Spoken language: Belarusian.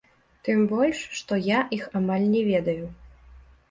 Тым больш, што я іх амаль не ведаю.